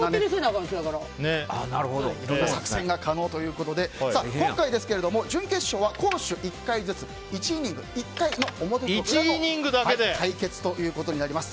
いろいろな作戦が可能ということで今回、準決勝は攻守１回ずつ１イニング１回の表のみの対決となります。